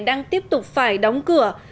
đang tiếp tục phải đóng cửa